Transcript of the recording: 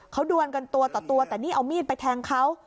เขาดวนกันตัวต่อตัวแต่นี่เอามีดไปแทงเขา